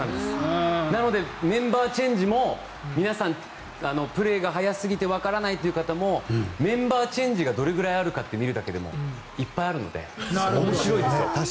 なのでメンバーチェンジも皆さんプレーが速すぎてわからないという方もメンバーチェンジがどれくらいあるかって見るだけでもいっぱいあるので面白いですよ。